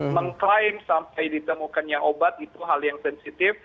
mengklaim sampai ditemukannya obat itu hal yang sensitif